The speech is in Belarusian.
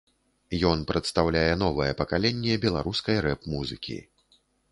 Ён прадстаўляе новае пакаленне беларускай рэп-музыкі.